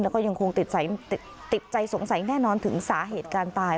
แล้วก็ยังคงติดใจสงสัยแน่นอนถึงสาเหตุการณ์ตาย